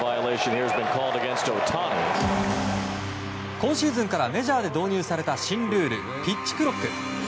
今シーズンからメジャーで導入された新ルール、ピッチクロック。